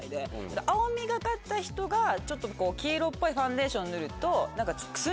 青みがかった人が黄色っぽいファンデーションを塗ると。